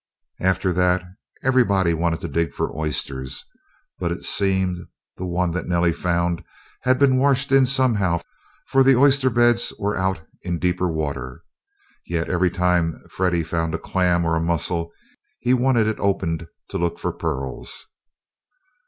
After that everybody wanted to dig for oysters, but it seemed the one that Nellie found had been washed in somehow, for the oyster beds were out in deeper water. Yet, every time Freddie found a clam or a mussel, he wanted it opened to look for pearls.